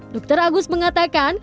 dokter agus mengatakan